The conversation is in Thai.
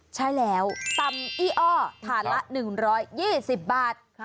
ใช่แล้วตำอี้อ้อถาดละ๑๒๐บาท